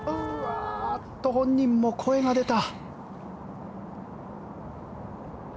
本人も声が出た。